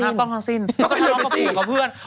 แล้วก็ไปทะลองกับผู้สักกับเพื่อน